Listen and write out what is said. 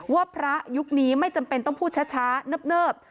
ว่าพระยุคนี้ไม่จำเป็นต้องพูดช้าเนิบ